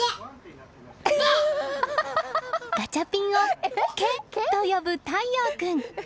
ガチャピンを「け！」と呼ぶ大耀君。